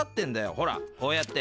ほらこうやって。